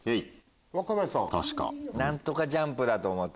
若林さんは？何とかジャンプだと思って。